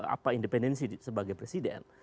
apa independensi sebagai presiden